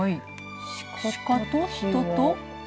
鹿と人と。